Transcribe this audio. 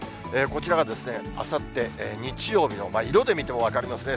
こちらがあさって日曜日の、色で見ても分かりますね。